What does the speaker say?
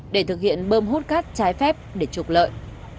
để thực hiện bơm hút cát trái phép để trục lợi